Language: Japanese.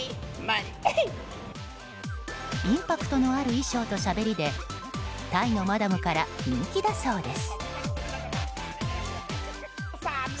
インパクトのある衣装としゃべりでタイのマダムから人気だそうです。